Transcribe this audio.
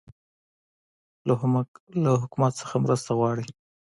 له حکومت نه مرسته غواړئ؟